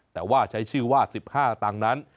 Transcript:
แต่ว่าใช้ชื่อว่าสิบห้าตั้งนั้น